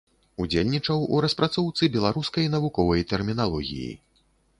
Удзельнічаў у распрацоўцы беларускай навуковай тэрміналогіі.